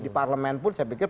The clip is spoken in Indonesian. di parlemen pun saya pikir